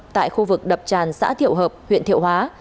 tại khu vực đập tràn xã thiệu hợp huyện thiệu hóa